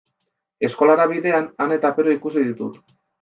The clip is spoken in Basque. Eskolara bidean Ane eta Peru ikusi ditut.